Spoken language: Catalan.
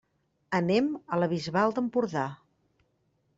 Anem a la Bisbal d'Empordà.